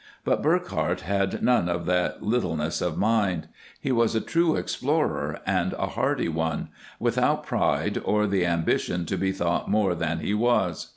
But Burckhardt had none of that littleness of mind : he was a true explorer, and a hardy one, without pride, or the am bition to be thought more than he was.